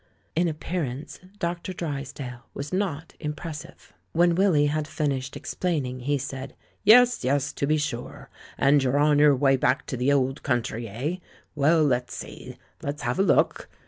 '* In appearance Dr. Drysdale was not impres sive. When Willy had finished explaining, he said: "Yes, yes, to be sure! And you're on your way back to the old country, eh ? Well, let's see, let's have a look."